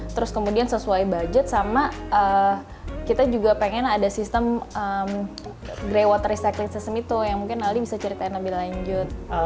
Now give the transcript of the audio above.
terus kemudian sesuai budget sama kita juga pengen ada sistem grey water recycling system itu yang mungkin aldi bisa ceritain lebih lanjut